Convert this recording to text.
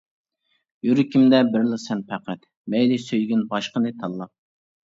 يۈرىكىمدە بىرلا سەن پەقەت، مەيلى سۆيگىن باشقىنى تاللاپ.